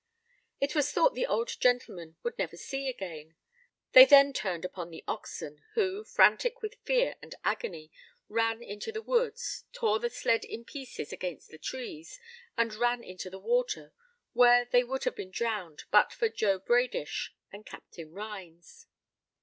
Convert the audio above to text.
It was thought the old gentleman would never see again. They then turned upon the oxen, who, frantic with fear and agony, ran into the woods, tore the sled in pieces against the trees, and ran into the water, where they would have been drowned but for Joe Bradish and Captain Rhines.